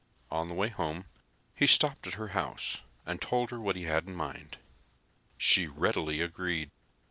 On the way home he stopped at her house and told her what he had in mind. She readily agreed.